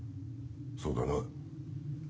そうだな？